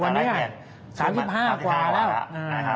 วันนี้๓๕กว่าแล้ว